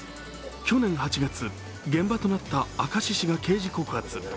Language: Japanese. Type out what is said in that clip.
去年８月、現場となった明石市が刑事告発。